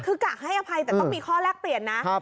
คือกะให้อภัยแต่ต้องมีข้อแลกเปลี่ยนนะ